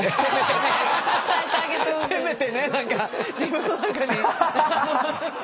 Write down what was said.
せめてねなんか自分の中に。